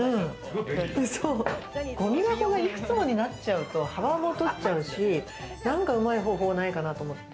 ごみ箱が、いくつもになっちゃうと幅も取っちゃうし、何かうまい方法ないかなと思って。